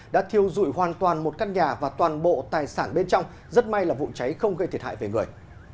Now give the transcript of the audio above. đã thiêu dụi hoàn toàn một căn nhà và toàn bộ tài sản bên trong rất may là vụ cháy không gây thiệt hại về người